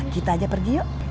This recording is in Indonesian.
kita aja pergi yuk